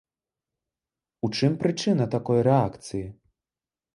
У чым прычына такой рэакцыі?